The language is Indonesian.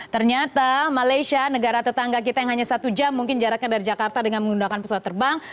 ternyata malaysia negara tetangga kita yang hanya satu jam mungkin jaraknya dari jakarta dengan menggunakan pesawat terbang